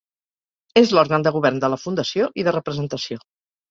És l'òrgan de govern de la fundació i de representació.